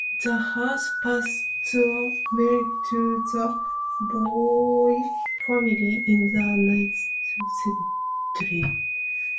The house passed through marriage to the Boyton family in the nineteenth century.